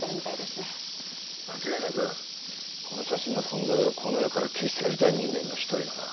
間違いなくこの写真の存在をこの世から消し去りたい人間の一人だな。